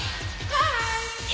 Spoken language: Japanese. はい！